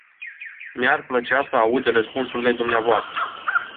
Mi-ar plăcea să aud răspunsurile dvs.